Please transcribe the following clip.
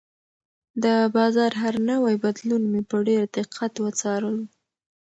د بازار هر نوی بدلون مې په ډېر دقت وڅارلو.